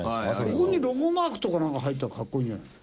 ここにロゴマークとか入ったらかっこいいんじゃないの。